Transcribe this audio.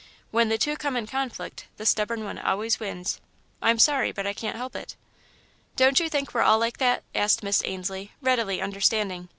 When the two come in conflict, the stubborn one always wins. I'm sorry, but I can't help it." "Don't you think we're all like that?" asked Miss Ainslie, readily understanding.